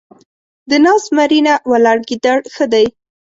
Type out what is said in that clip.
د ناست زمري نه ، ولاړ ګيدړ ښه دی.